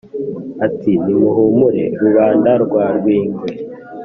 ati : nimuhumure rubanda rwa rwingwe